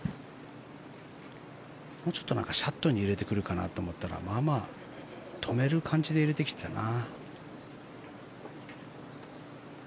もうちょっとシャットに入れてくるかなと思ったらまあまあ止める感じで入れてきてたな。